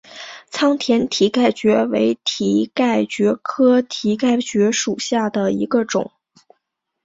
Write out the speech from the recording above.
仓田蹄盖蕨为蹄盖蕨科蹄盖蕨属下的一个种。